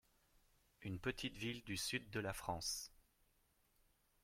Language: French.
Une petite ville du Sud de la France.